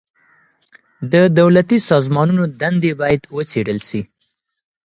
د دولتي سازمانونو دندي بايد وڅېړل سي.